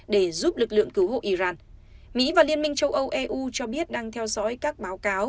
để giúp lực lượng cứu hộ iran mỹ và liên minh châu âu eu cho biết đang theo dõi các báo cáo